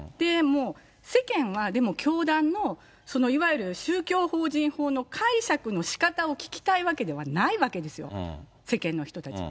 世間は、でも、教団のいわゆる宗教法人法の解釈の仕方を聞きたいわけではないわけですよ、世間の人たちは。